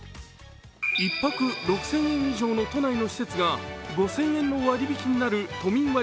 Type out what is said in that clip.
１泊６０００円以上の都内の施設が５０００円の割り引きになる都民割